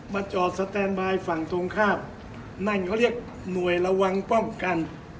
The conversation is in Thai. จอดสแตนบายฝั่งตรงข้ามนั่นเขาเรียกหน่วยระวังป้องกัน